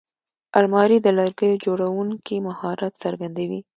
الماري د لرګیو جوړوونکي مهارت څرګندوي